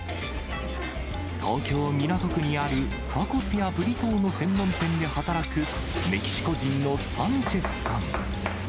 東京・港区にある、タコスやブリトーの専門店で働くメキシコ人のサンチェスさん。